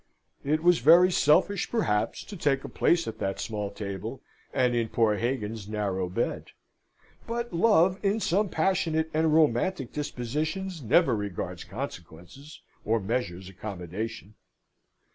It was very selfish perhaps to take a place at that small table, and in poor Hagan's narrow bed. But Love in some passionate and romantic dispositions never regards consequences, or measures accommodation.